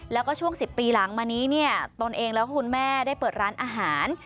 แล้วก็ช่วง๑๐ปีหลังมานี้เนี่ยตนเองแล้วก็คุณแม่ได้เปิดร้านอาหาร